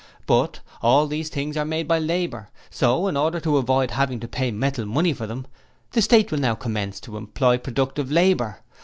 But all these things are made by labour; so in order to avoid having to pay metal money for them, the State will now commence to employ productive labour.